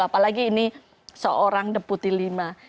apalagi ini seorang deputi v